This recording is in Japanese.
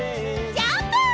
ジャンプ！